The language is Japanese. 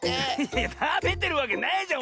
いやたべてるわけないじゃん！